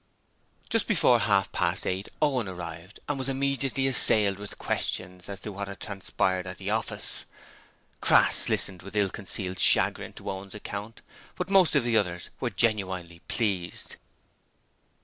Just before half past eight Owen arrived and was immediately assailed with questions as to what had transpired at the office. Crass listened with ill concealed chagrin to Owen's account, but most of the others were genuinely pleased.